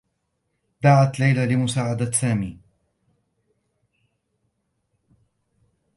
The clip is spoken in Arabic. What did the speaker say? دعت ليلى لمساعدة سامي.